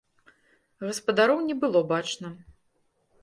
Гаспадароў не было бачна.